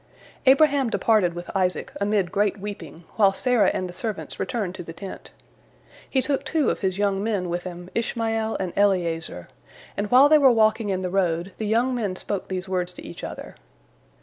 Abraham departed with Isaac amid great weeping, while Sarah and the servants returned to the tent. He took two of his young men with him, Ishmael and Eliezer, and while they were walking in the road, the young men spoke these words to each other.